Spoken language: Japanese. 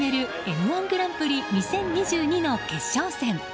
「Ｍ‐１グランプリ２０２２」の決勝戦。